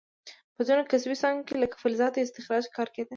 په ځینو کسبي څانګو لکه فلزاتو استخراج کې کار کیده.